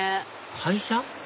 会社？